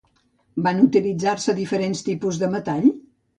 Van utilitzar-se diferents tipus de metall?